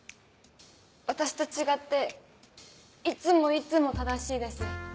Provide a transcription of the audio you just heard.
私と違っていつもいつも正しいです。